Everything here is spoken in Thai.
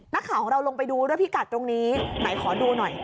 นักข่าวของเราลงไปดูด้วยพิกัดตรงนี้ไหนขอดูหน่อย